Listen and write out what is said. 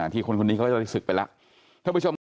ที่คนนี้ก็จะศึกไปแล้ว